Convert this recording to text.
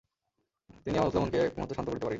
তিনি আমার উতলা মনকে এক মুহূর্ত শান্ত করিতে পারেন নাই।